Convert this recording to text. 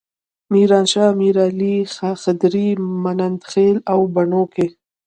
میرانشاه، میرعلي، خدري، ممندخیل او بنو کې.